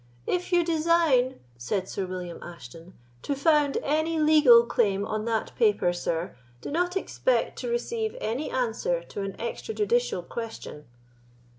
"If you design," said Sir William Ashton, "to found any legal claim on that paper, sir, do not expect to receive any answer to an extrajudicial question."